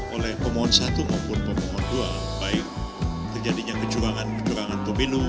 oleh pemohon satu maupun pemohon dua baik terjadinya kecurangan kecurangan pemilu